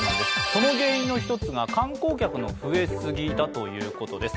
その原因の一つが観光客の増えすぎだということです。